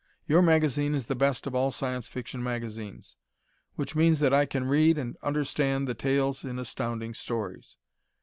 Your magazine is the best of all Science Fiction magazines, which means that I can read and understand the tales in Astounding Stories.